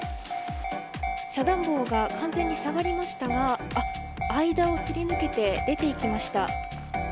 遮断棒が完全に下がりましたが間をすり抜けて出て行きました。